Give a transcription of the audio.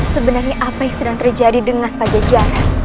sebenarnya apa yang sedang terjadi dengan pak jajaran